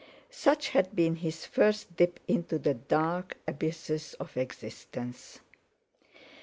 Such had been his first dip into the dark abysses of existence.